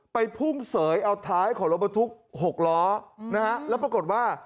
ไปพุ่งเสยเอาท้ายของรถบรรทุก๖ล้อนะฮะแล้วปรากฏว่า